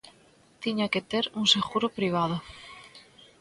Tiña que ter un seguro privado.